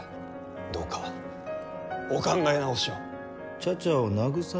どうかお考え直しを。